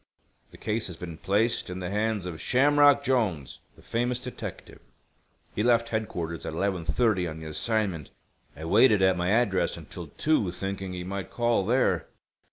The case has been placed in the hands of Shamrock Jolnes, the famous detective. He left Headquarters at 11:30 on the assignment. I waited at my address until two, thinking he might call there."